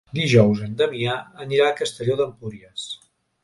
Dijous en Damià anirà a Castelló d'Empúries.